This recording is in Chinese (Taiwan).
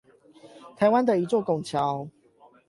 台灣的一座拱橋